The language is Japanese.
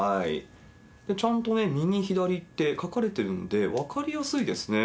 ちゃんとね、右、左って書かれてるんで、分かりやすいですね。